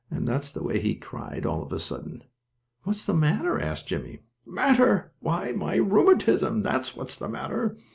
That's the way he cried all of a sudden. "What's the matter?" asked Jimmie. "Matter? Why my rheumatism; that's what's the matter!